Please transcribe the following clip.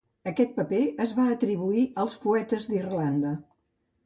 Aquest paper es va atribuir als poetes d'Irlanda.